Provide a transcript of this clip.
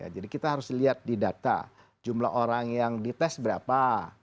jadi kita harus lihat di data jumlah orang yang dites berapa